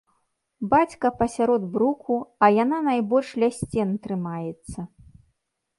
Бацька пасярод бруку, а яна найбольш ля сцен трымаецца.